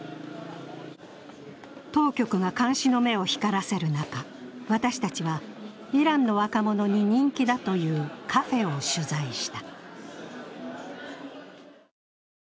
当局が監視の目を光らせる中、私たちはイランの若者に人気だというカフェを取材した。